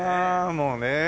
もうねえ。